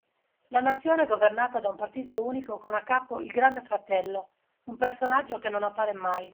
La nazione è governata da un partito unico con a capo Il Grande Fratello, un personaggio che non appare mai